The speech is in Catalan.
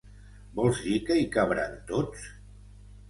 Vols dir que hi cabran tots?